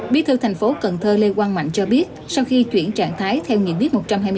biết thư thành phố cần thơ lê quang mạnh cho biết sau khi chuyển trạng thái theo nhiệm viết một trăm hai mươi tám